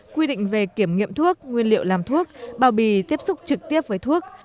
quy định về kiểm nghiệm thuốc nguyên liệu làm thuốc bảo bì tiếp xúc trực tiếp với thuốc